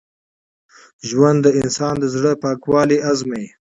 ژوند د انسان د زړه پاکوالی ازمېيي.